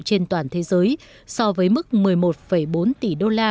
trên toàn thế giới so với mức một mươi một bốn tỷ đô la